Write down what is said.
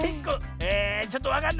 えちょっとわかんない。